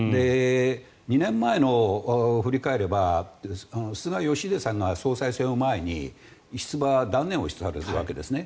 ２年前を振り返れば菅義偉さんが総裁選を前に出馬を断念されるわけですね。